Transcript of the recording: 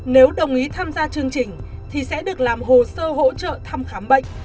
nếu đồng ý tham gia chương trình thì sẽ được làm hồ sơ hỗ trợ thăm khám bệnh